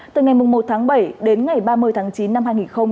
từ ngày một tháng bảy đến ngày ba mươi tháng chín năm hai nghìn hai mươi